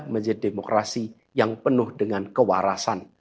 menjadi demokrasi yang penuh dengan kewarasan